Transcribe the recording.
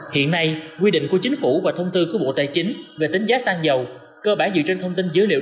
hiện nay quy định của chính phủ và thông tư của bộ tài chính về tính giá xăng dầu cơ bản dựa trên thông tin dữ liệu